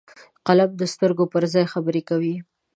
قلم د سترګو پر ځای خبرې کوي